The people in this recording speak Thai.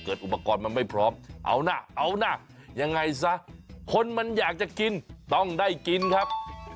อุปกรณ์มันไม่พร้อมเอานะเอานะยังไงซะคนมันอยากจะกินต้องได้กินครับ